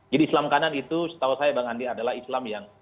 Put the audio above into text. jadi islam kanan itu setahu saya bang andi adalah islam yang